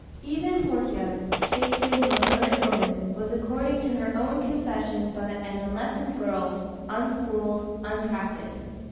Even Portia, Shakespeare's most learned woman, was, according to her own confession, but "An unlessoned girl, unschooled, unpracticed."